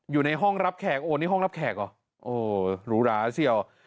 อยู่ในห้องรับแขกั้งรูหราเชี่ยว